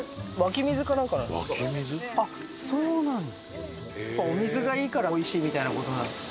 あっそうなんだ！